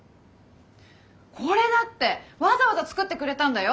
これだってわざわざ作ってくれたんだよ。